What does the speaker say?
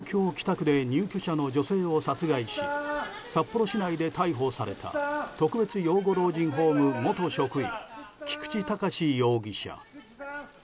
東京・北区で入居者の女性を殺害し札幌市内で逮捕された特別養護老人ホームの元職員菊池隆容疑者。